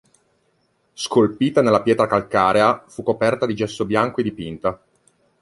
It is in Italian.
Scolpita nella pietra calcarea, fu coperta di gesso bianco e dipinta.